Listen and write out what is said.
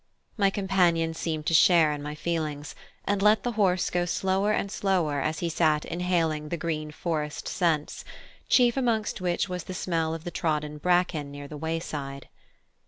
My companion seemed to share in my feelings, and let the horse go slower and slower as he sat inhaling the green forest scents, chief amongst which was the smell of the trodden bracken near the wayside.